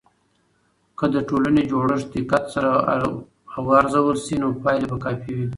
که د ټولنې جوړښت دقت سره ارزول سي، نو پایلې به کافي وي.